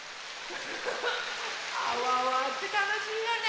「あわわ。」ってたのしいよね。